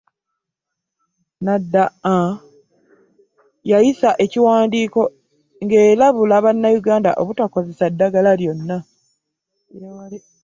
NDA yayisa ekiwandiiko ng'erabula Bannayuganda obutakozesa ddagala lyonna.